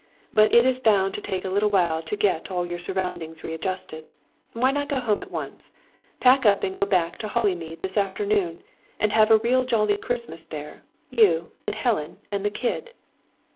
But it is bound to take a little while to get all your surroundings readjusted. Why not go home at once? Pack up and go back to Hollymead this afternoon, and have a real jolly Christmas there you, and Helen, and the kid."